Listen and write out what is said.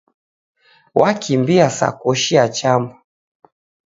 Wakimbia sa koshi yachamba.